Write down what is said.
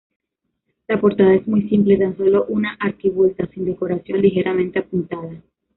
La portada es muy simple, tan solo una arquivolta sin decoración ligeramente apuntada.